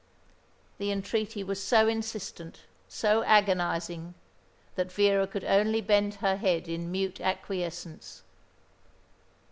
The entreaty was so insistent, so agonising, that Vera could only bend her head in mute acquiescence.